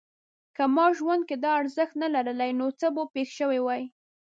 که ما ژوند کې دا ارزښت نه لرلای نو څه به پېښ شوي وای؟